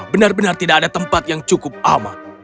benar benar tidak ada tempat yang cukup aman